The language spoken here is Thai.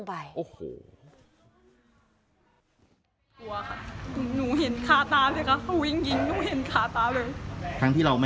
เพื่อนหนูคือล้มลงไปแล้วค่ะ